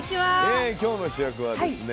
今日の主役はですね